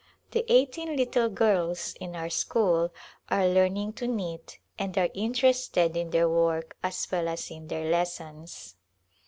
The eighteen little girls in our school are learning to knit and are interested in their work as well as in their lessons.